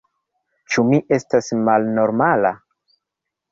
Ĉu mi estas malnormala?